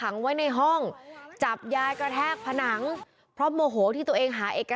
นั่นแหละร้อน